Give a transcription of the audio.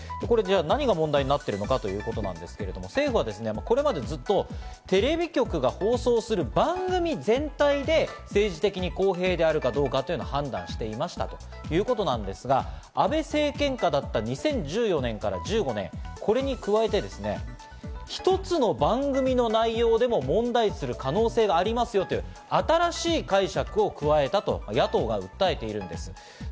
何が問題になっているのかということなんですけど、政府はこれまでずっとテレビ局が放送する番組全体で政治的に公平であるかどうかを判断していましたということなんですが、安倍政権下だった２０１４年から２０１５年、これに加えてですね、一つの番組の内容でも問題視する可能性がありますよと、新しい解釈を加えたと、野党が訴えているんです。